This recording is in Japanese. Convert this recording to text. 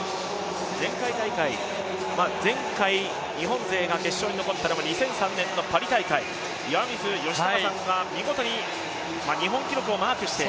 前回大会、前回、日本勢が決勝に残ったのは２００３年パリ大会、岩水嘉孝さんが見事に日本記録をマークして。